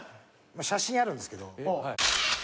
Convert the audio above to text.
写真あるんですけど。